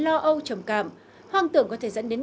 lo âu trầm cảm hoang tưởng có thể dẫn đến